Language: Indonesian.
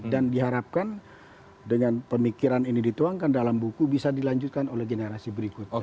dan diharapkan dengan pemikiran ini dituangkan dalam buku bisa dilanjutkan oleh generasi berikut